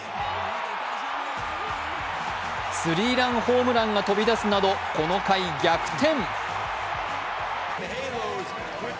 スリーランホームランが飛び出すなどこの回、逆転。